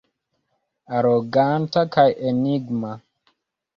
Aroganta kaj enigma.